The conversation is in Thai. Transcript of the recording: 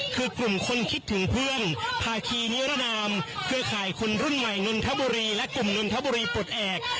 คือกลุ่มคนคิดถึงเพื่อนภาคีนิรนามเครือข่ายคนรุ่นใหม่นนทบุรีและกลุ่มนนทบุรีปลดแอบ